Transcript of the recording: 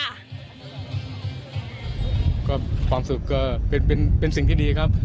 ขณะที่ผู้ประกอบการร้านค้าโรงแรมในหัวหินนะคะ